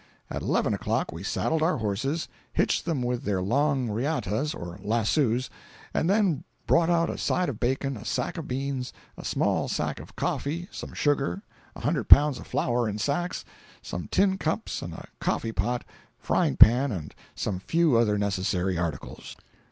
At eleven o'clock we saddled our horses, hitched them with their long riatas (or lassos), and then brought out a side of bacon, a sack of beans, a small sack of coffee, some sugar, a hundred pounds of flour in sacks, some tin cups and a coffee pot, frying pan and some few other necessary articles.